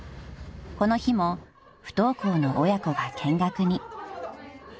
［この日も不登校の親子が見学に］